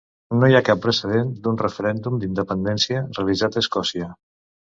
No hi ha cap precedent d'un referèndum d'independència realitzat a Escòcia.